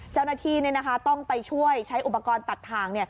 เจ้าหน้าที่ต้องไปช่วยใช้อุปกรณ์ตัดทาง